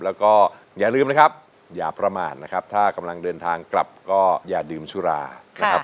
แล้วก็อย่าลืมนะครับอย่าประมาทนะครับถ้ากำลังเดินทางกลับก็อย่าดื่มสุรานะครับ